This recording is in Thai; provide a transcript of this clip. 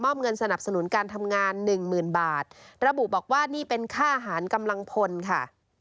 เงินสนับสนุนการทำงานหนึ่งหมื่นบาทระบุบอกว่านี่เป็นค่าอาหารกำลังพลค่ะ